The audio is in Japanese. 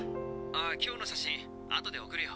あ今日の写真後で送るよ。